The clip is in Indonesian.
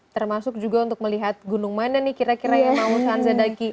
termasuk juga untuk melihat gunung mana nih kira kira yang mau sanza daki